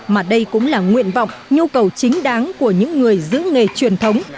mà đây cũng là nguyện vọng nhu cầu chính đáng của những người giữ nghề truyền thống